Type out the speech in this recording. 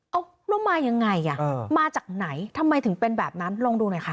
เอาแล้วมายังไงอ่ะมาจากไหนทำไมถึงเป็นแบบนั้นลองดูหน่อยค่ะ